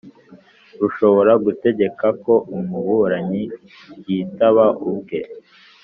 rushobora gutegeka ko umuburanyi yitaba ubwe